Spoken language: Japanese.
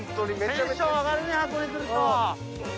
テンション上がるね箱根来ると。